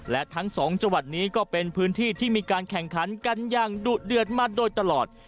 และทั้งสองจังหวัดนี้ก็เป็นพื้นที่ที่มีการแข่งขันกันอย่างดุเดือดมาโดยตลอด